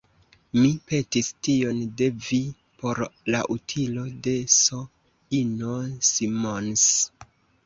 Mi petis tion de vi por la utilo de S-ino Simons.